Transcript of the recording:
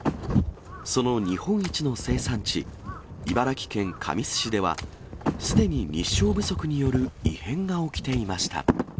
その日本一の生産地、茨城県神栖市では、すでに日照不足による異変が起きていました。